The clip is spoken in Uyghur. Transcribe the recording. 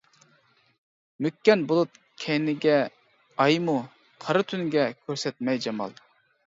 مۆككەن بۇلۇت كەينىگە ئايمۇ، قارا تۈنگە كۆرسەتمەي جامال.